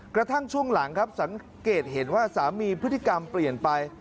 กระทั่งช่วงหลังครับสังเกตเห็นว่าสามีพฤติกรรมเปลี่ยนไป